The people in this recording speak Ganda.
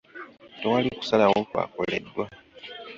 Tewali kusalawo kwakoleddwa.